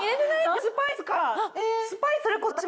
スパイスから。